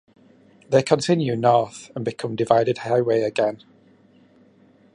They continue north and become divided highway again.